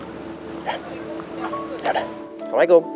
ya yaudah assalamu'alaikum